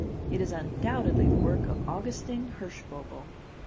It is undoubtedly the work of Augustin Hirschvogel."